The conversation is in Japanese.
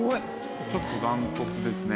ちょっと断トツですね。